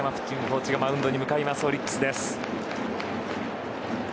コーチがマウンドに向かいますオリックス。